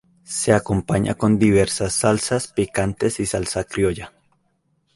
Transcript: Se acompaña con diversas salsas picantes y salsa criolla.